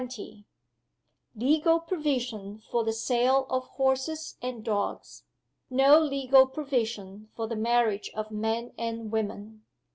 Legal provision for the sale of horses and dogs. No legal provision for the marriage of men and women.